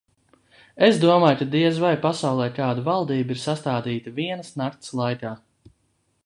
Es domāju, ka diez vai pasaulē kāda valdība ir sastādīta vienas nakts laikā.